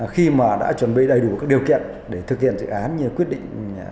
khi mà đã chuẩn bị đầy đủ các điều kiện để thực hiện dự án như quyết định